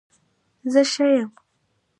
زه ښه يم